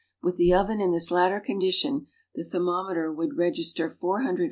AVith the oven in this latter condition, the thermometer would register 410° F.